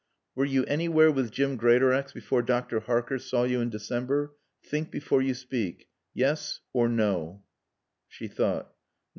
Were you anywhere with Jim Greatorex before Dr. Harker saw you in December? Think before you speak. Yes or No." She thought.